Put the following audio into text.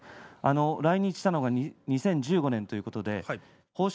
来日したのは２０１５年ということで豊昇